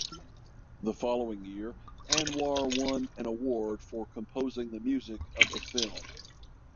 The following year Anwar won an award for composing the music of the film.